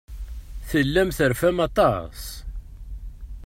Tellam terfam aṭas.